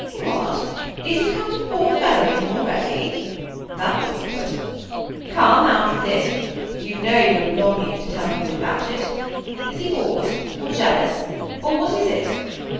'^ What ! Is it come to poor fellowing him already ? that's awkward. Come, out with it; you know you are longing to tell me all about it; is he bored? or jealous, or what is it